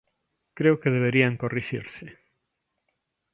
Creo que deberían corrixirse.